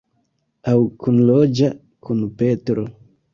Aŭ kunloĝa kun Petro.